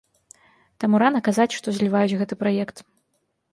Таму рана казаць, што зліваюць гэты праект.